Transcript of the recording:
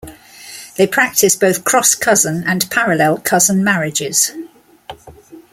They practice both cross cousin and parallel cousin marriages.